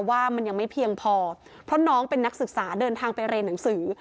ว่ามันยังไม่เพียงพอเพราะน้องเป็นนักศึกษาเดินทางไปเรียนหนังสือ